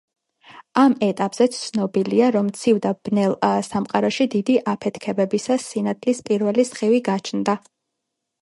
ამ ეტაპზე ცნობილია, რომ ცივ და ბნელ სამყაროში დიდი აფეთქებისას, სინათლის პირველი სხივი გაჩნდა.